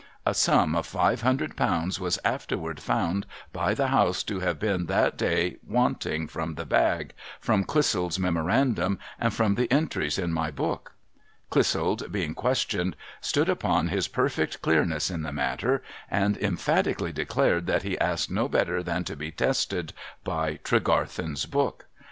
A sum of five hundred pounds was afterward found by the house to have been that day wanting from the bag, from Clissold's memorandum, and from the entries in my book. Clissold^ being questioned, stood upon his perfect clearness in the matter, and emphatically declared that he asked no better than to be tested by " Tregarthen's book."